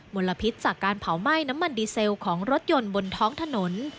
ลพิษจากการเผาไหม้น้ำมันดีเซลของรถยนต์บนท้องถนน